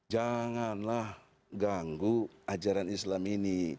janganlah ganggu ajaran islam ini